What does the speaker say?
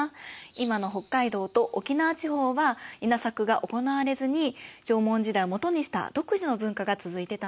今の北海道と沖縄地方は稲作が行われずに縄文時代を基にした独自の文化が続いてたんです。